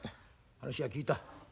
話は聞いた。